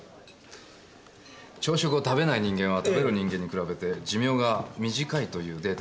「朝食を食べない人間は食べる人間に比べて寿命が短い」というデータがありますからね。